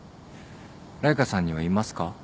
ライカさんにはいますか？